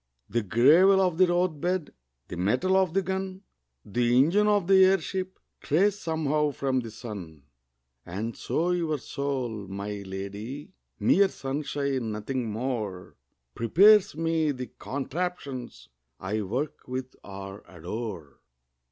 The gravel of the roadbed, The metal of the gun, The engine of the airship Trace somehow from the sun. And so your soul, my lady (Mere sunshine, nothing more) Prepares me the contraptions I work with or adore.